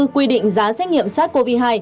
quy định giá trách nhiệm sars cov hai